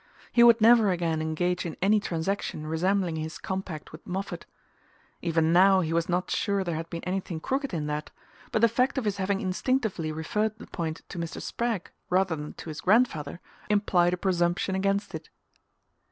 He would never again engage in any transaction resembling his compact with Moffatt. Even now he was not sure there had been anything crooked in that; but the fact of his having instinctively referred the point to Mr. Spragg rather than to his grandfather implied a presumption against it.